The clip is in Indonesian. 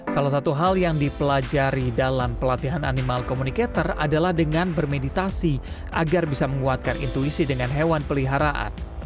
salah satu hal yang dipelajari dalam pelatihan animal communicator adalah dengan bermeditasi agar bisa menguatkan intuisi dengan hewan peliharaan